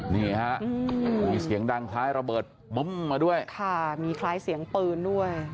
นี่ฮะมีเสียงดังคล้ายระเบิดบึ้มมาด้วยค่ะมีคล้ายเสียงปืนด้วย